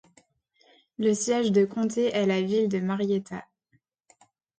Le siège de comté est la ville de Marietta.